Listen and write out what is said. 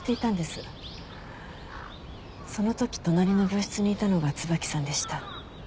そのとき隣の病室にいたのが椿さんでした。